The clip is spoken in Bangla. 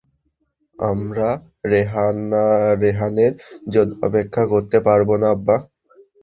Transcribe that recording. আমরা রেহানের জন্য অপেক্ষা করতে পারবো না আব্বা?